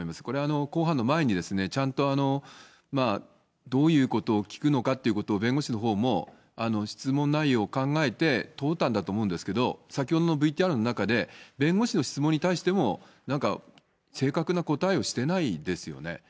これは公判の前に、ちゃんと、どういうことを聞くのかっていうことを、弁護士のほうも質問内容を考えて、問うたんだと思うんですけど、先ほどのＶＴＲの中で、弁護士の質問に対しても、なんか正確な答えをしてないですよね。